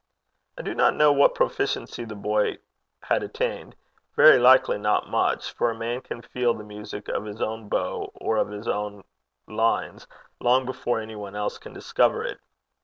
I do not know what proficiency the boy had attained, very likely not much, for a man can feel the music of his own bow, or of his own lines, long before any one else can discover it.